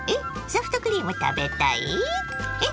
ソフトクリーム食べたい？え？